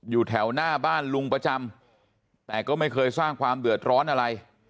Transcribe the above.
อยู่แถวหน้าบ้านลุงประจำแต่ก็ไม่เคยสร้างความเดือดร้อนอะไร